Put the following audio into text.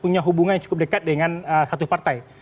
punya hubungan yang cukup dekat dengan satu partai